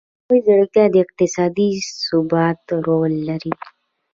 مصنوعي ځیرکتیا د اقتصادي ثبات رول لري.